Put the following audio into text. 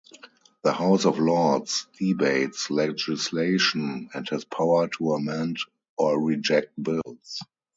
The House of Lords debates legislation, and has power to amend or reject bills.